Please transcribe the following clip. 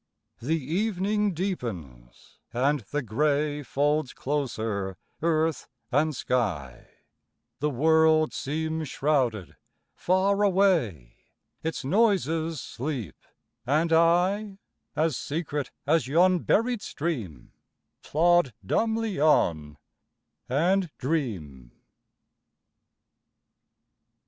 The evening deepens, and the gray Folds closer earth and sky; The world seems shrouded far away; Its noises sleep, and I, As secret as yon buried stream, Plod dumbly on, and dream.